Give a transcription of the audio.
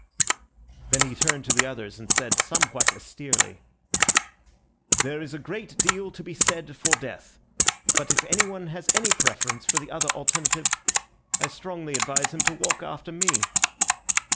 Then he turned to the others and said somewhat austerely— "There is a great deal to be said for death; but if anyone has any preference for the other alternative, I strongly advise him to walk after me."